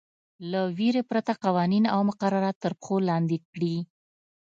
له وېرې پرته قوانین او مقررات تر پښو لاندې کړي.